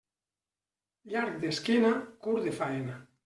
Llarg d'esquena, curt de faena.